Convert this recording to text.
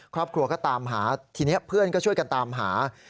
ครอบครัวก็ตามหาทีนี้เพื่อนก็ช่วยกันตามหา